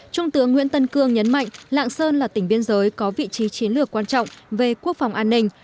trung tướng nguyễn tân cương nhấn mạnh lạng sơn là tỉnh biên giới có vị trí chiến lược quan trọng về quốc phòng an ninh